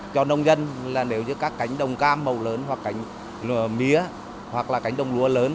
cho nông dân là nếu như các cánh đồng cam màu lớn hoặc cánh mía hoặc là cánh đồng lúa lớn